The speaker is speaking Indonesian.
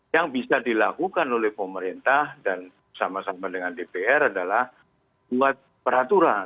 yang bisa dilakukan oleh pemerintah dan sama sama dengan dpr adalah buat peraturan